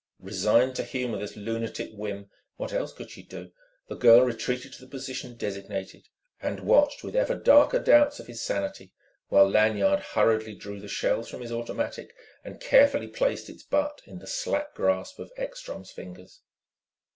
Resigned to humour this lunatic whim what else could she do? the girl retreated to the position designated, and watched with ever darker doubts of his sanity, while Lanyard hurriedly drew the shells from his automatic and carefully placed its butt in the slack grasp of Ekstrom's fingers.